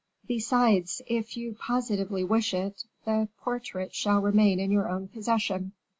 Besides, if you positively wish it, the portrait shall remain in your own possession."